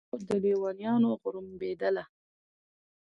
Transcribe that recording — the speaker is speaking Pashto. لکه فوج د لېونیانو غړومبېدله